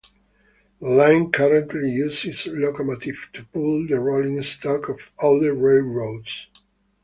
The line currently uses its locomotive to pull the rolling stock of other railroads.